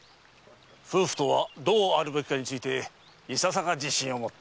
夫婦とはどうあるべきかについていささか自信を持った。